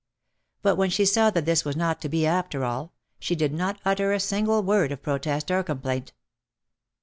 But when she saw that this was not to be after all, she did not utter a single word of protest or complaint.